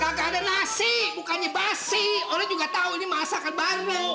gak ada nasi bukannya basi orang juga tahu ini masakan bareng